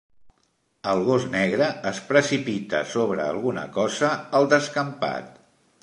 El gos negre es precipita sobre alguna cosa al descampat.